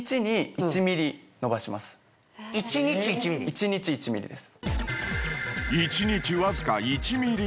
１日１ｍｍです。